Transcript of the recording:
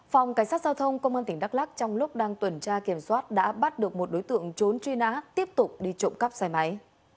phòng cảnh sát giao thông công an tỉnh đắk lắc trong lúc đang tuần tra kiểm soát đã bắt được một đối tượng trốn truy nã tiếp tục đi trộm cắp xe máy